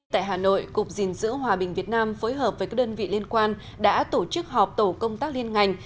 tại hà nội cục gìn giữ hòa bình việt nam phối hợp với các đơn vị liên quan đã tổ chức họp tổ công tác liên ngành